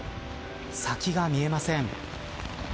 先が見えません。